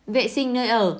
vệ sinh nơi ở